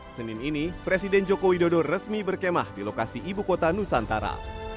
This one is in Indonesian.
senin ini presiden joko widodo resmi berkemah di lokasi ibu kota nusantara